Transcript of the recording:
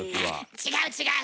違う違う。